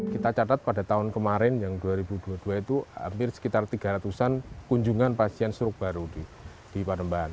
kita catat pada tahun kemarin yang dua ribu dua puluh dua itu hampir sekitar tiga ratus an kunjungan pasien struk baru di parembahan